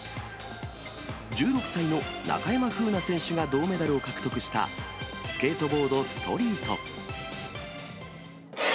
１６歳の中山楓奈選手が銅メダルを獲得した、スケートボードストリート。